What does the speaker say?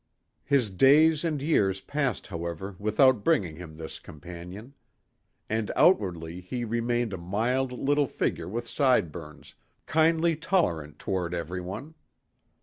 His days and years passed however without bringing him this companion. And outwardly he remained a mild little figure with sideburns, kindly tolerant toward everyone.